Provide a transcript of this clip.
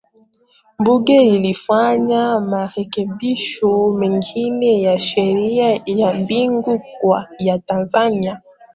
bunge lilifanya marekebisho mengine ya sheria ya benki kuu ya tanzania